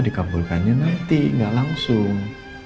dikabulkannya nanti gak langsung